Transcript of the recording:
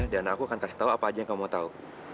dan aku akan kasih tau apa aja yang kamu mau tau